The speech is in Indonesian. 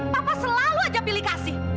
papa selalu aja pilih kasih